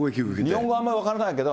日本語あんまり分からないけど。